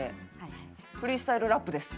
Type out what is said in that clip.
フリースタイルラップです。